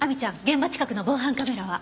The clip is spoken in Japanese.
現場近くの防犯カメラは？